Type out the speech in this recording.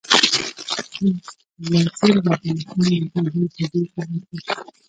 هلمند سیند د افغانستان یو ډېر لوی طبعي ثروت دی.